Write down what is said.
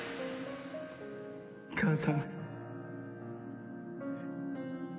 母さん。